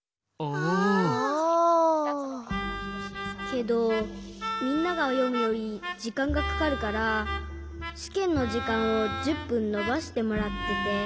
けどみんながよむよりじかんがかかるからしけんのじかんを１０ぷんのばしてもらってて。